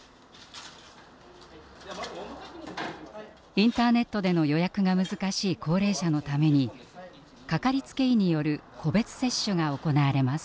インターネットでの予約が難しい高齢者のためにかかりつけ医による「個別接種」が行われます。